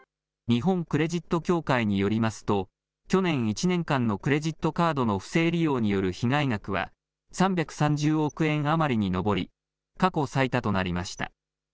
日本クレジット協会によりますと、去年１年間のクレジットカードの不正利用による被害額は３３０億円余りに上り、過去最多となりました。